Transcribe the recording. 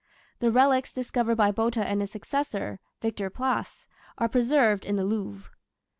The relics discovered by Botta and his successor, Victor Place, are preserved in the Louvre.